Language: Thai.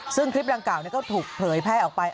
ซึ่งคลิปดังกล่าวก็ถูกเผยแพร่ออกไป